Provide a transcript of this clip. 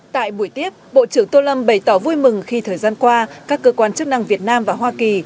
tại buổi tiếp bộ trưởng tô lâm bày tỏ vui mừng khi thời gian qua các cơ quan chức năng việt nam và hoa kỳ